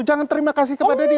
jangan terima kasih kepada dia